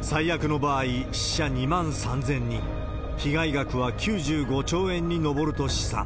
最悪の場合、死者２万３０００人、被害額は９５兆円に上ると試算。